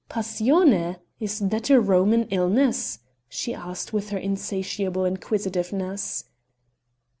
"Passione! is that a Roman illness?" she asked with her insatiable inquisitiveness.